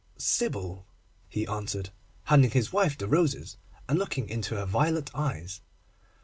'Sybil,' he answered, handing his wife the roses, and looking into her violet eyes.